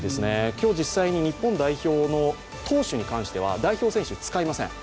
今日、実際日本代表の投手に関しては代表選手、使いません。